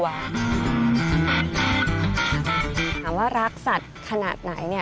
ถามว่ารักสัตว์ขนาดไหน